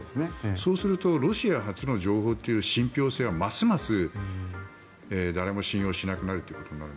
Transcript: そうすると、ロシア発の情報っていう信ぴょう性はますます誰も信用しなくなるということになる。